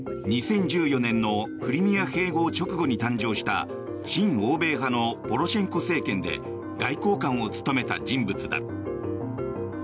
２０１４年のクリミア併合直後に誕生した親欧米派のポロシェンコ政権で外交官を務めた人物だ。